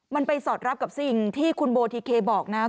มันไปสอดรับกับสิ่งที่คุณโบทิเคบอกนะครับ